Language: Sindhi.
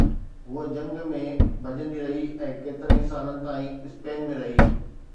هوءَ جهنگ ۾ ڀڄندي رهي ۽ ڪيترن سالن تائين اسپين ۾ رهي